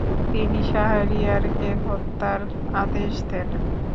তিনি শাহরিয়ারকে হত্যার আদেশ দেন।